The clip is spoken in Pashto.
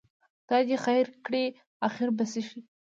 خدای دې خیر کړي، اخر به څه شي؟